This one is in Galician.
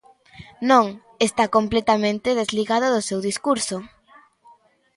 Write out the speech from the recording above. Non, está completamente desligado do seu discurso.